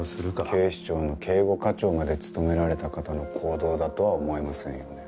警視庁の警護課長まで務められた方の行動だとは思えませんよね。